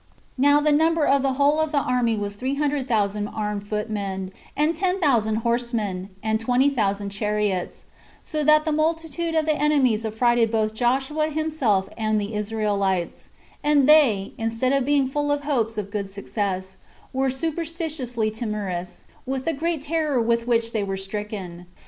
Now the number of the whole army was three hundred thousand armed footmen, and ten thousand horsemen, and twenty thousand chariots; so that the multitude of the enemies affrighted both Joshua himself and the Israelites; and they, instead of being full of hopes of good success, were superstitiously timorous, with the great terror with which they were stricken.